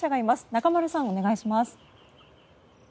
中丸さん、お願いします。